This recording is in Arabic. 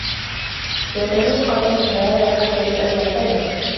لَا تَزُولُ قَدَمَا ابْنِ آدَمَ حَتَّى يُسْأَلَ عَنْ ثَلَاثٍ